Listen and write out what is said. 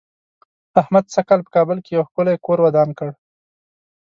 احمد سږ کال په کابل کې یو ښکلی کور ودان کړ.